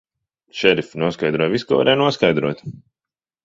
Šerif, noskaidroju visu, ko varēja noskaidrot.